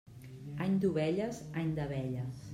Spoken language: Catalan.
Any d'ovelles, any d'abelles.